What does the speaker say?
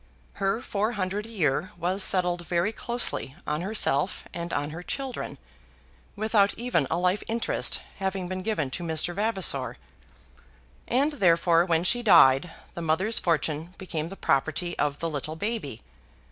Her four hundred a year was settled very closely on herself and on her children, without even a life interest having been given to Mr. Vavasor, and therefore when she died the mother's fortune became the property of the little baby.